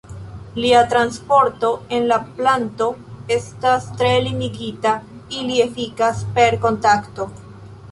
Ilia transporto en la planto estas tre limigita, ili efikas per kontakto.